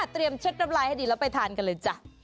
เตรียมชั้นตำรายให้ดีแล้วไปทานกันเลยจ้ะ